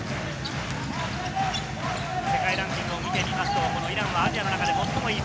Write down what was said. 世界ランキングを見てみますと、イランはアジアの中で最もいい。